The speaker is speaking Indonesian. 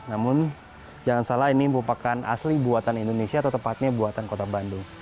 namun jangan salah ini merupakan asli buatan indonesia atau tepatnya buatan kota bandung